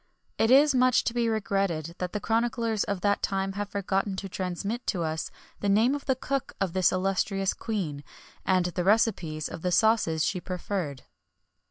[XXI 5] It is much to be regretted that the chroniclers of that time have forgotten to transmit to us the name of the cook of this illustrious Queen, and the recipes of the sauces she preferred.